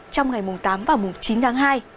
trong ngày tám và chín tháng hai